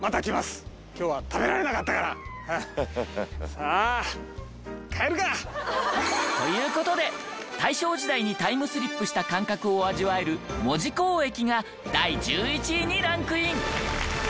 さあ帰るか！という事で大正時代にタイムスリップした感覚を味わえる門司港駅が第１１位にランクイン！